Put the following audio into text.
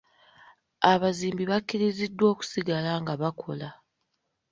Abazimbi bakkiriziddwa okusigala nga bakola.